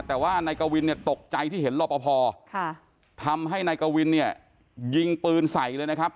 แต่ว่านายกวินเนี่ยตกใจที่เห็นรอปภทำให้นายกวินเนี่ยยิงปืนใส่เลยนะครับ